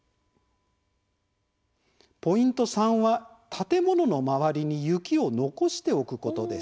ポイント３は、建物の周りに雪を残しておくことです。